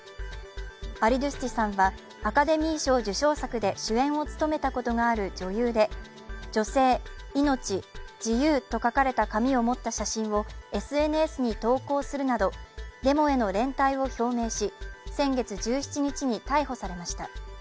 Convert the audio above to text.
アリドゥスティさんはアカデミー賞受賞作で主演を務めたことがある女優で「女性・命・自由」と書かれた紙を持った写真をＳＮＳに投稿するなど、デモへの連帯を表明し先月１７日に逮捕されました。